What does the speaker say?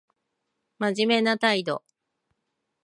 真面目な態度